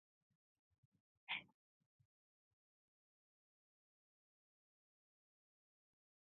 Navosa remains wild, with the region significantly less developed than Nadroga.